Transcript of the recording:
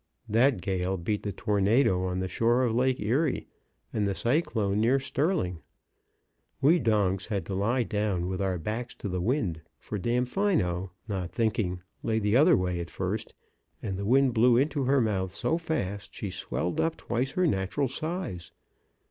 That gale beat the tornado on the shore of Lake Erie, and the cyclone near Sterling. We donks had to lie down with our backs to the wind, for Damfino, not thinking, lay the other way at first, and the wind blew into her mouth so fast she swelled up twice her natural size.